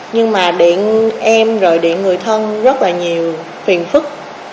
nhưng mà điện em rồi điện người thân rất là nhiều phiền phức